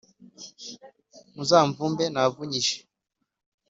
Muzamvumbe navunyije